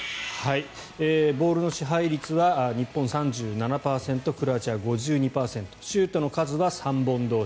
ボールの支配率は日本が３７％クロアチアが５２％シュートの数は３本同士。